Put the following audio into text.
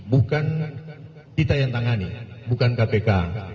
bukan kita yang tangani bukan kpk